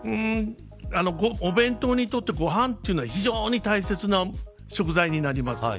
お弁当にとってご飯というのは非常に大切な食材になります。